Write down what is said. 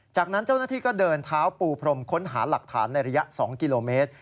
จากนั้นเจ้าหน้าที่ก็เดินเท้าปูพรมค้นหาหลักฐานในระยะ๒กิโลเมตร